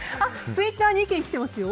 ツイッターに意見が来てますよ。